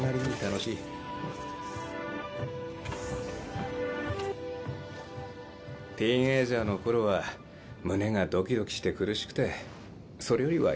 ・シューンティーンエージャーの頃は胸がドキドキして苦しくてそれよりはいい。